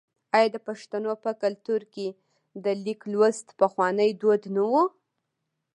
آیا د پښتنو په کلتور کې د لیک لوستل پخوانی دود نه و؟